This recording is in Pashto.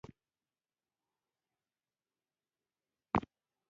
افغانستان د سیلابونو د ساتنې لپاره ځانګړي قوانین لري.